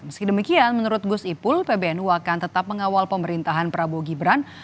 meski demikian menurut gus ipul pbnu akan tetap mengawal pemerintahan prabowo gibran